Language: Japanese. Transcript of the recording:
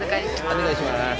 お願いします。